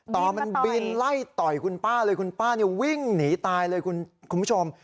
ต่อมันบินไล่ต่อยคุณป้าเลยคุณป้าวิ่งหนีตายเลยคุณผู้ชม